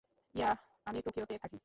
Yeah, আমি টোকিওতে থাকি।